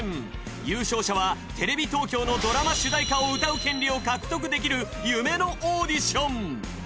優勝者はテレビ東京のドラマ主題歌を歌う権利を獲得できる夢のオーディション。